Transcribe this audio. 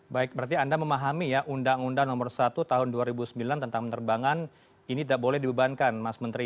baik berarti anda memahami ya undang undang nomor satu tahun dua ribu sembilan tentang penerbangan ini tidak boleh dibebankan mas menteri